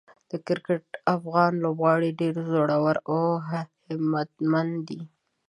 د کرکټ افغان لوبغاړي ډېر زړور او همتمن دي.